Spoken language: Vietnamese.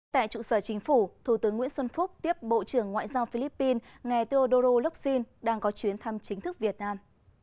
tại trụ sở chính phủ thủ tướng nguyễn xuân phúc tiếp bộ trưởng ngoại giao philippines nghe teodoro locsin đang có chuyến thăm chính thức việt nam